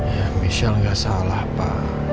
ya michel nggak salah pak